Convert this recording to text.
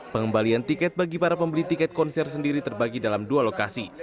pengembalian tiket bagi para pembeli tiket konser sendiri terbagi dalam dua lokasi